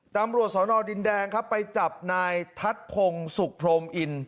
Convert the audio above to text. ตำรวจสอนอดินแดงครับไปจับนายทัศน์พงศ์สุขพรมอิน